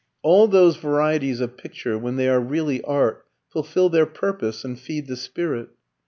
T.H.S.] All those varieties of picture, when they are really art, fulfil their purpose and feed the spirit.